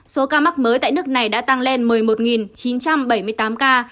số ca mắc mới tại nước này đã tăng lên một mươi một chín trăm bảy mươi tám ca